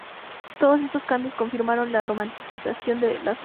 Todos estos cambios confirmaron la romanización de la zona.